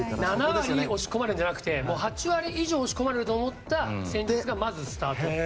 ７割押し込まれるというよりも８割以上押し込まれると思って戦術がまずスタート。